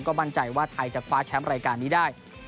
มั่นใจว่าไทยจะคว้าแชมป์รายการนี้ได้